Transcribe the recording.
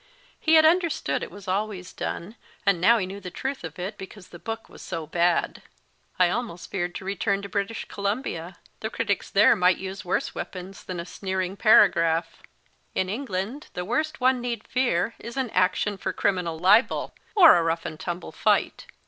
He had understood it was always done, and now he knew the truth of it, because the book was so bad. I almost feared to return to British Columbia : the critics there might use worse weapons than a sneering para graph. In England the worst one need fear is an action for criminal libel, or a rough and tumble fight.